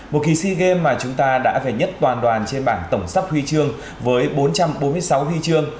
một kỳ sea games mà chúng ta đã về nhất toàn đoàn trên bảng tổng sắp huy chương với bốn trăm bốn mươi sáu huy chương